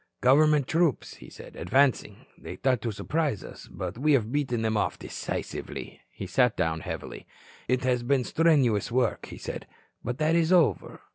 "Government troops," he said, advancing, "They thought to surprise us but we have beaten them off decisively." He sat down heavily. "It has been strenuous work," he said. "But that is over.